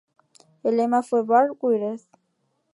El lema fue "Barb-Wired!!!".